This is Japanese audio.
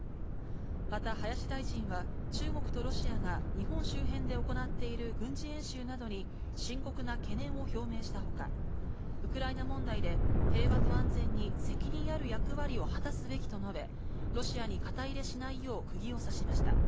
また林大臣は、中国とロシアが日本周辺で行っている軍事演習などに深刻な懸念を表明したほか、ウクライナ問題で、平和と安全に責任ある役割を果たすべきと述べ、ロシアに肩入れしないようくぎを刺しました。